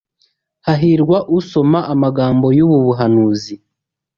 Hahirwa usoma amagambo y’ubu buhanuzi,